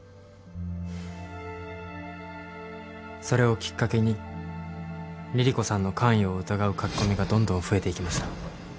それをきっかけに凛々子さんの関与を疑う書き込みがどんどん増えていきました。